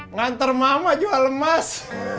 ngantar mama jual emas